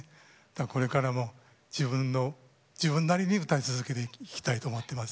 これからも自分の、自分なりに歌い続けていきたいと思っています。